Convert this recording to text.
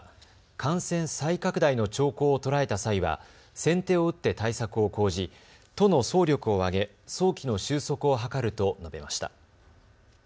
感染再拡大の兆候を捉えた際は先手を打って対策を講じ都の総力を挙げ早期の収束を図ると述べました。